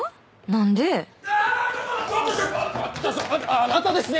あなたですね！